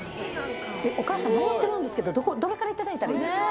お母さん、迷ってまうんですけど、どれから頂いたらいいですか。